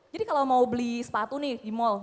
jadi kalau mau beli sepatu nih di mall